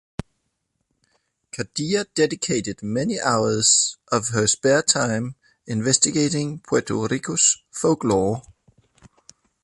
Cadilla dedicated many hours of her spare time investigating Puerto Rico's folklore.